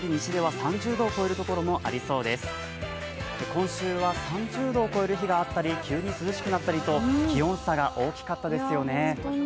今週は３０度を超える日があったり、急に涼しくなったりと気温差が大きかったですよね。